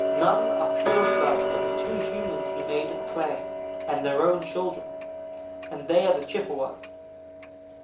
None are pure of blood but the two humans he made of clay, and their own children. And they are the Chippewas!